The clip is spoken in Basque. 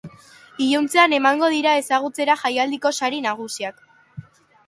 Iluntzean emango dira ezagutzera jaialdiko sari nagusiak.